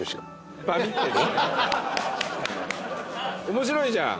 面白いじゃん。